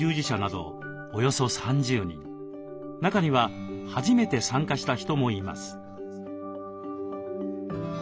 中には初めて参加した人もいます。